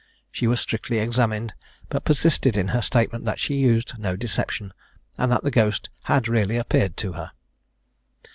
She was strictly examined, but persisted in her statement that she used no deception, and that the ghost had really appeared to her.